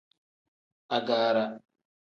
Agaara.